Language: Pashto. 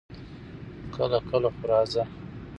کله کله خو راځه!